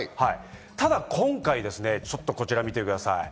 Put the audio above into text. ただ今回、ちょっとこちらを見てください。